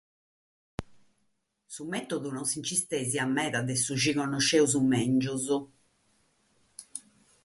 Su mètodu non si nch'istèsiat meda dae su chi connoschimus mègius.